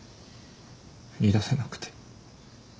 言い出せなくて。